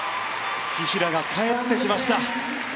紀平が帰ってきました。